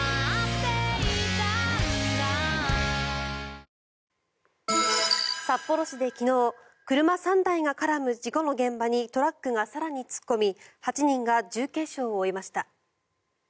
薄着になると札幌市で昨日車３台が絡む事故の現場にトラックが更に突っ込み８人が重軽傷を負いました。